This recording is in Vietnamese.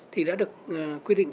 thì đã được quy định